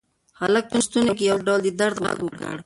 هلک په ستوني کې یو ډول د درد غږ وکړ.